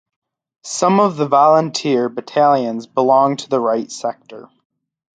Some of the volunteer battalions belong to Right Sector.